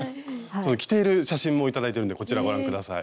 着ている写真も頂いてるんでこちらご覧下さい。